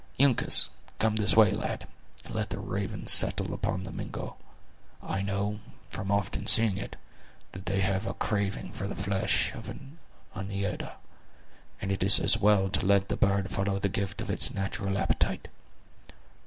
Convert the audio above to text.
Uncas, come this way, lad, and let the ravens settle upon the Mingo. I know, from often seeing it, that they have a craving for the flesh of an Oneida; and it is as well to let the bird follow the gift of its natural appetite."